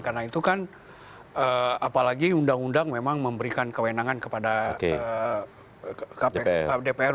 karena itu kan apalagi undang undang memang memberikan kewenangan kepada dpr